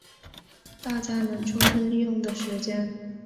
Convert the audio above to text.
大家能充分利用时间